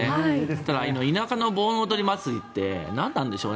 ただ、田舎の盆踊り祭りって何なんでしょうね。